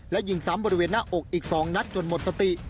และยิงซ้ำบริเวณหน้าอกอีก๒นัดจนหมดสติ